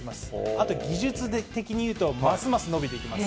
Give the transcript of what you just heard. あと技術的にいうと、ますます伸びていきます。